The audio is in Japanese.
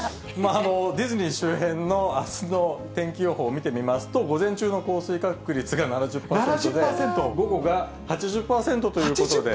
ディズニー周辺のあすの天気予報を見てみますと、午前中の降水確率が７０％で、午後が８０％ということで。